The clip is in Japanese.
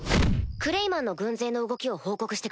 クレイマンの軍勢の動きを報告してくれ。